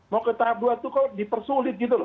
mau ke tahap dua itu kok dipersulit gitu loh